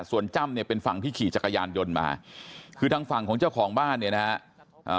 ส่วนจ้ำเนี่ยเป็นฝั่งที่ขี่จักรยานยนต์มาคือทางฝั่งของเจ้าของบ้านเนี่ยนะฮะ